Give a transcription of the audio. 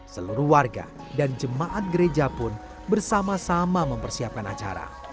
seluruh warga dan jemaat gereja pun bersama sama mempersiapkan acara